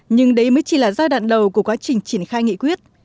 nhưng đấy mới chỉ là giai đoạn đầu của quá trình triển khai nghị quyết